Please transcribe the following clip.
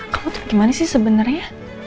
kamu tuh gimana sih sebenarnya